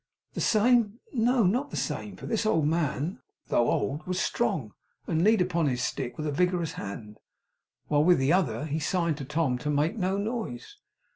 The same? No, not the same, for this old man, though old, was strong, and leaned upon his stick with a vigorous hand, while with the other he signed to Tom to make no noise.